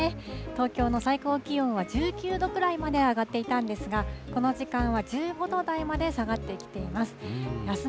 東京の最高気温は１９度くらいまで上がっていたんですが、この時間は１５度台まで下がってきています。